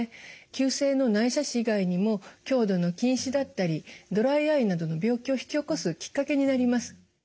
急性の内斜視以外にも強度の近視だったりドライアイなどの病気を引き起こすきっかけになります。